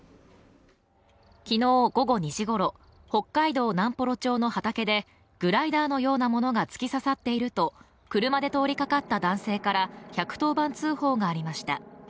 昨日午後自２時頃、北海道南幌町の畑でグライダーのようなものが突き刺さっていると車で通りかかった男性から１１０番通報がありました。